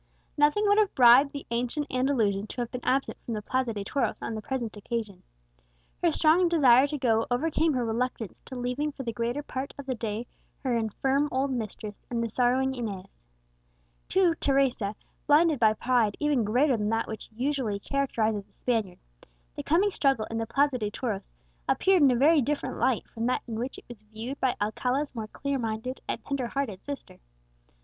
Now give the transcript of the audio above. Nothing would have bribed the ancient Andalusian to have been absent from the Plaza de Toros on the present occasion; her strong desire to go overcame her reluctance to leaving for the greater part of the day her infirm old mistress and the sorrowing Inez. To Teresa, blinded by pride even greater than that which usually characterizes the Spaniard, the coming struggle in the Plaza de Toros appeared in a very different light from that in which it was viewed by Alcala's more clear minded and tender hearted sister.